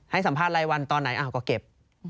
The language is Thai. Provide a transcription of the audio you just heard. ให้สัมภาษณ์ไรวันตอนไหนก็เก็บ